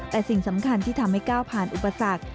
แต่สิ่งสำคัญที่ทำให้ก้าวผ่านอุปสรรค